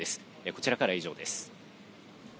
こちらからは以上です。